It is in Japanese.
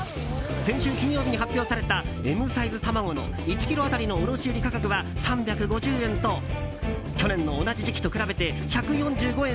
先週金曜日に発表されたＭサイズ卵の１ｋｇ当たりの卸売価格は３５０円と去年の同じ時期と比べて１４５円